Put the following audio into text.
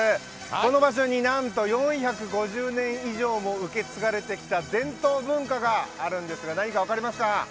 この場所に、なんと４５０年以上も受け継がれた伝統文化があるんですが何か分かりますか？